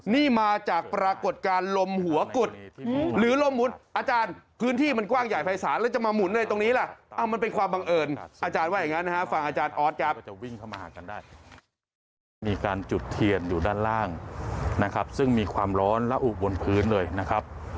มีการจุดเทียนอยู่ด้านล่างนะครับซึ่งมีความร้อนและอุบบนพื้นเลยนะครับ